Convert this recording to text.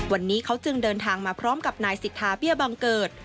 วันนี้เขาจึงเดินทางมาพร้อมกับนายสิทธาเบี้ยบังเกิด